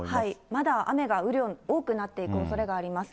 まだ雨が、雨量、多くなっていくおそれがあります。